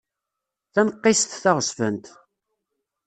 D taneqqist taɣezzfant.